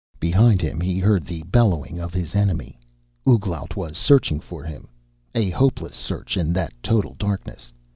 Behind him he heard the bellowing of his enemy. Ouglat was searching for him, a hopeless search in that total darkness.